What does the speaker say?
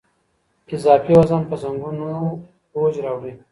اضافي وزن په زنګونونو بوج راوړي.